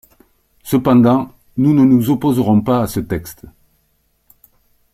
Cependant, nous ne nous opposerons pas à ce texte.